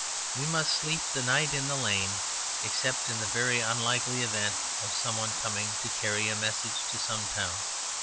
We must sleep the night in the lane, except in the very unlikely event of some one coming by to carry a message to some town.